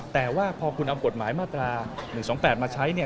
แต่ว่าพอคุณเอากฎหมายมาตรา๑๒๘มาใช้เนี่ย